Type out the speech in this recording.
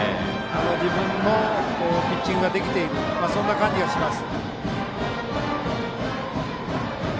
自分のピッチングができているそんな感じがします。